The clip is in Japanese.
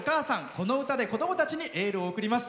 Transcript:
この歌で子どもたちにエールを送ります。